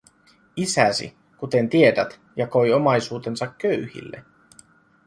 Isäsi, kuten tiedät, jakoi omaisuutensa köyhille.